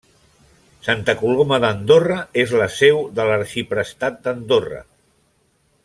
Santa Coloma d'Andorra és la seu de l'Arxiprestat d'Andorra.